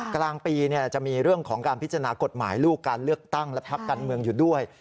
กลางปีจะมีเรื่องของการพิจารณากฎหมายลูกการเลือกตั้งและพักการเมืองอยู่ด้วย